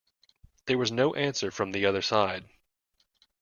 There was no answer from the other side.